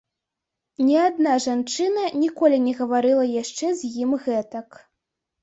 Ні адна жанчына ніколі не гаварыла яшчэ з ім гэтак.